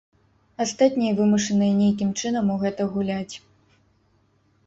Астатнія вымушаныя нейкім чынам у гэта гуляць.